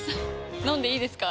飲んでいいですか？